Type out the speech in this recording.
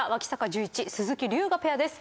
寿一鈴木龍河ペアです。